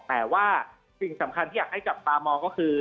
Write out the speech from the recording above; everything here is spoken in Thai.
แต่ว่าสิ่งสำคัญที่อยากให้จับตามองก็คือ